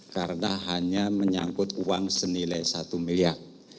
karena hanya menyangkut uang senilai rp satu miliar